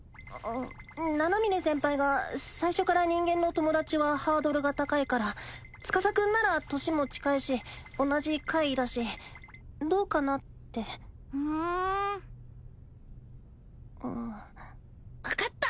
七峰先輩が最初から人間の友達はハードルが高いからつかさくんなら年も近いし同じ怪異だしどうかなってふん分かった！